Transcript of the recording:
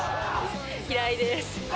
嫌いです。